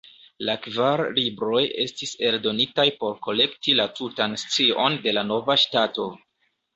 La kvar libroj estis eldonitaj por kolekti la tutan scion de la nova ŝtato.